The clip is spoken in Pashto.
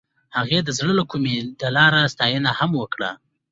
هغې د زړه له کومې د لاره ستاینه هم وکړه.